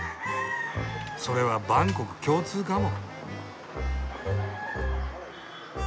それは万国共通かも。